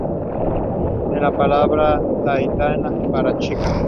Es la palabra tahitiana para "chica".